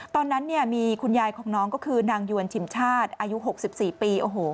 ตอนนั้นมีคุณยายของน้องก็คือนางยวนชิมชาติอายุ๖๔ปี